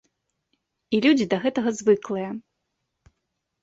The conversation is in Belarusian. І людзі да гэтага звыклыя.